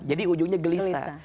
jadi ujungnya gelisah